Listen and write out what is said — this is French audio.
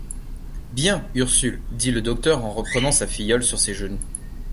Bien, Ursule ! dit le docteur en reprenant sa filleule sur ses genoux.